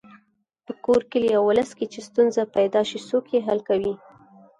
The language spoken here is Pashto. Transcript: په کور، کلي او ولس کې چې ستونزه پیدا شي څوک یې حل کوي.